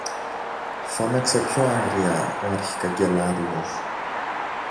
φώναξε πιο άγρια ο αρχικαγκελάριος.